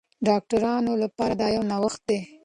ډاکټرانو لپاره دا یو نوښت دی.